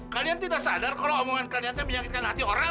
kalian tidak sadar kalau omongan kalian menyakitkan hati orang